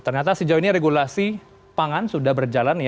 ternyata sejauh ini regulasi pangan sudah berjalan